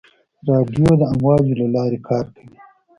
رادیو د امواجو له لارې کار کوي.